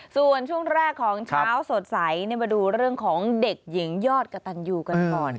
ส่วนช่วงแรกของเช้าสดใสมาดูเรื่องของเด็กหญิงยอดกระตันยูกันก่อน